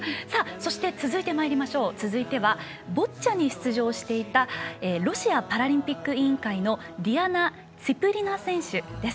そして、続いてはボッチャに出場していたロシアパラリンピック委員会のディアナ・ツィプリナ選手です。